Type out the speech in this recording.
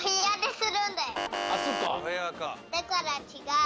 だからちがう。